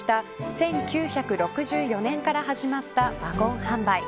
１９６４年から始まったワゴン販売。